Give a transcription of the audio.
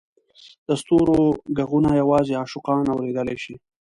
د ستورو ږغونه یوازې عاشقان اورېدلای شي.